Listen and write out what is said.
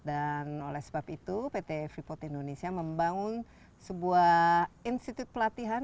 dan oleh sebab itu pt frippot indonesia membangun sebuah institut pelatihan